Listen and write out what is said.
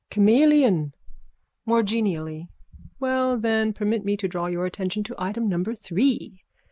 Chameleon. (More genially.) Well then, permit me to draw your attention to item number three.